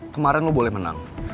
kemarin lo boleh menang